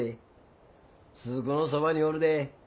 鈴子のそばにおるで。